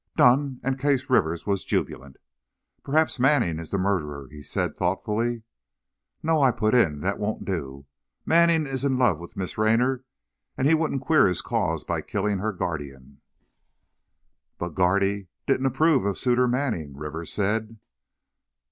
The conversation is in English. "Done!" and Case Rivers was jubilant. "Perhaps Manning is the murderer," he said, thoughtfully. "No," I put in. "That won't do. Manning is in love with Miss Raynor, and he wouldn't queer his cause by killing her guardian." "But Guardy didn't approve of Suitor Manning," Rivers said.